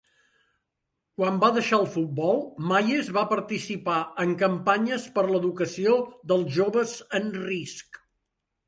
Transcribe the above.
Quan va deixar el futbol, Mayes va participar en campanyes per l'educació dels joves en risc.